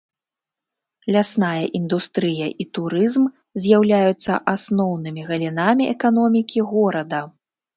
Лясная індустрыя і турызм з'яўляюцца асноўнымі галінамі эканомікі горада.